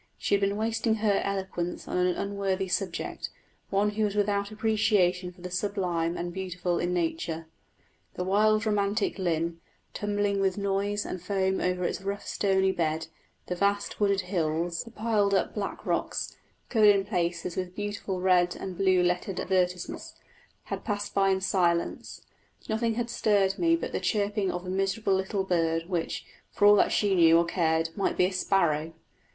She had been wasting her eloquence on an unworthy subject one who was without appreciation for the sublime and beautiful in nature. The wild romantic Lynn, tumbling with noise and foam over its rough stony bed, the vast wooded hills, the piled up black rocks (covered in places with beautiful red and blue lettered advertisements), had been passed by in silence nothing had stirred me but the chirping of a miserable little bird, which, for all that she knew or cared, might be a sparrow!